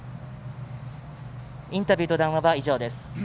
インタビューと談話は以上です。